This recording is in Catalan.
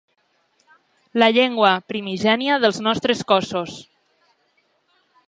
La llengua primigènia dels nostres cossos.